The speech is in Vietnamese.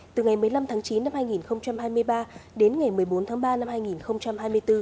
từ ngày một mươi năm tháng chín năm hai nghìn hai mươi ba đến ngày một mươi bốn tháng ba năm hai nghìn hai mươi bốn